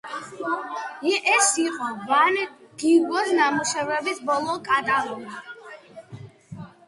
ეს იყო ვან გოგის ნამუშევრების ბოლო კატალოგი.